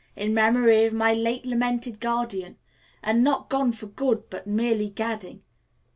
'In memory of my late lamented guardian,' and 'Not gone for good, but merely gadding.'"